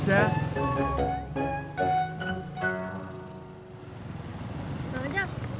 di sini aja